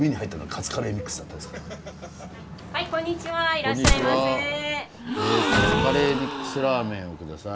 カツカレーミックスラーメンをください。